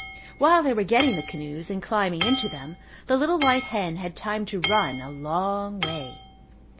While they were getting the canoes and climbing into them the little white hen had time to run a long way.